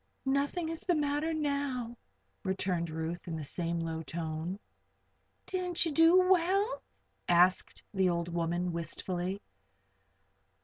"Nothing is the matter now," returned Ruth, in the same low tone. "Didn't you do well?" asked the old woman, wistfully.